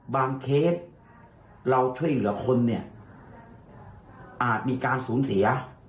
เคสเราช่วยเหลือคนเนี่ยอาจมีการสูญเสีย